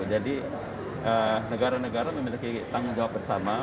jadi negara negara memiliki tanggung jawab bersama